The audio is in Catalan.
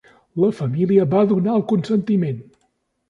La família va donar el consentiment.